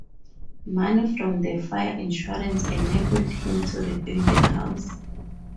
Money from the fire insurance enabled him to rebuild the house.